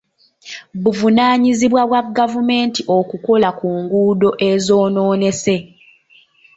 Buvunaanyizibwa bwa gavumenti okukola ku nguudo ezonoonese.